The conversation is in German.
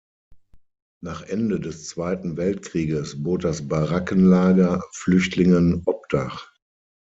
Nach Ende des Zweiten Weltkrieges bot das Barackenlager Flüchtlingen Obdach.